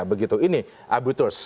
begitu ini abuturs